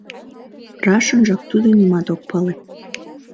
«Рашынжак тудо нимат ок пале.